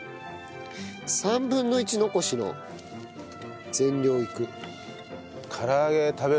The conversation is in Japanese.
３分の１残しの全量いく。